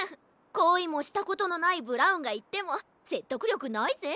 こいもしたことのないブラウンがいってもせっとくりょくないぜ。